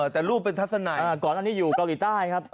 แต่รูปเป็นทัศนายก่อนอันนี้อยู่เกาหลีใต้ครับ